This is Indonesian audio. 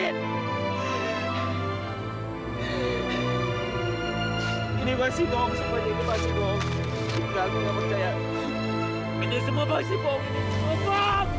tapi setelah kerja dengan nona nila